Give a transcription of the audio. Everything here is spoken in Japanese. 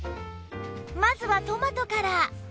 まずはトマトから